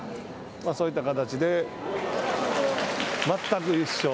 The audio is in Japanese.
そういった形で、全く一緒。